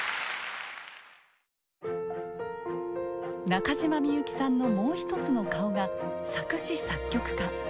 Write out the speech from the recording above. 中島みゆきさんのもう一つの顔が作詞・作曲家。